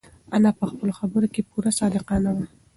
انا په خپلو خبرو کې پوره صادقه وه.